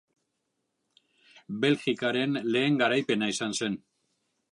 Belgikaren lehen garaipena izan zen.